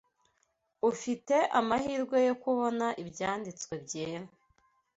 ufite amahirwe yo kubona Ibyanditswe byera